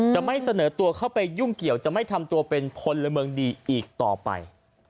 จะไม่เสนอตัวเข้าไปยุ่งเกี่ยวจะไม่ทำตัวเป็นพลเมืองดีอีกต่อไป